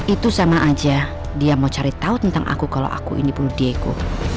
itu sama aja dia mau cari tahu tentang aku kalau aku ini perlu diego